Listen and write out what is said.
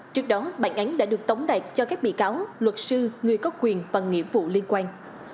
trước đó bản án đã được tống đạt cho các bị cáo luật sư người có quyền và nghĩa vụ liên quan